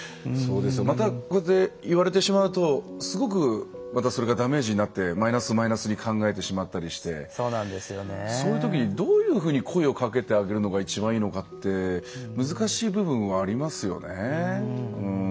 また言われてしまうとダメージになってマイナス、マイナスに考えてしまったりしてそういうときに、どういうふうに声をかけてあげるのが一番いいのかって難しい部分はありますよね。